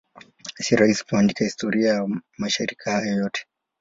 Si rahisi kuandika historia ya mashirika hayo yote.